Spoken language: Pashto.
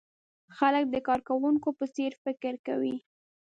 خلک د کارکوونکو په څېر فکر کوي.